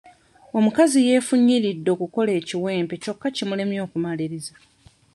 Omukazi yeefunyiridde okukola ekiwempe kyokka kimulemye okumalirirza.